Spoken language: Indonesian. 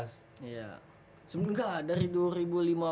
sebenernya gak dari dua ribu lima belas